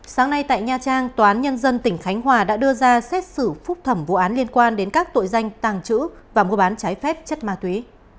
sáng nay tại nha trang tòa án nhân dân tỉnh khánh hòa đã đưa ra xét xử phúc thẩm vụ án liên quan đến các tội danh tàng trữ và mua bán trái phép chất ma túy